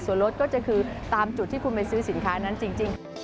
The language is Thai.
ส่วนรถก็จะคือตามจุดที่คุณไปซื้อสินค้านั้นจริง